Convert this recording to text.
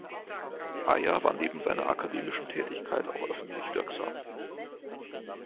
Ayer war neben seiner akademischen Tätigkeit auch öffentlich wirksam.